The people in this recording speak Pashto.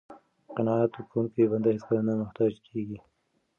قناعت کوونکی بنده هېڅکله نه محتاج کیږي.